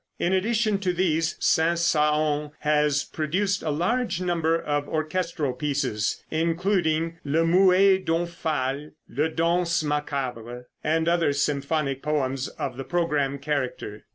In addition to these, Saint Saëns has produced a large number of orchestral pieces, including "Le Mouet d'Omphale," "Le Dance Macabre," and other symphonic poems of the programme character.